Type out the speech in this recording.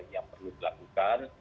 yang perlu dilakukan